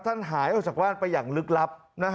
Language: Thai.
ท่านหาให้ออกจากว่าเป็นอย่างลึกลับ